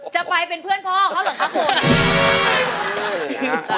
จะไปเป็นเพื่อนพ่อเขาหรือครับคุณ